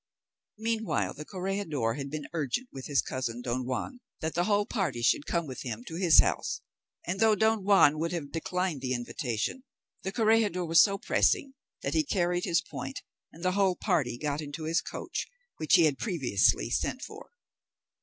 Meanwhile the corregidor had been urgent with his cousin Don Juan that the whole party should come with him to his house; and though Don Juan would have declined the invitation, the corregidor was so pressing that he carried his point, and the whole party got into his coach, which he had previously sent for.